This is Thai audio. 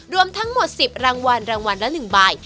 รวมทั้งหมด๑๐รางวัลรางวัลละ๑ใบ